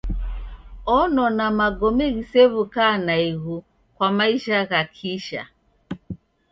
Onona magome ghisew'uka naighu kwa maisha gha kisha.